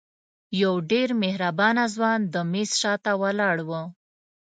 یو ډېر مهربانه ځوان د میز شاته ولاړ و.